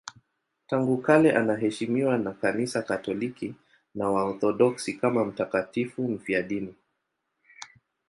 Tangu kale anaheshimiwa na Kanisa Katoliki na Waorthodoksi kama mtakatifu mfiadini.